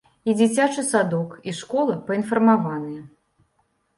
І дзіцячы садок, і школа паінфармаваныя.